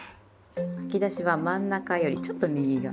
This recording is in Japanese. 書き出しは真ん中よりちょっと右側。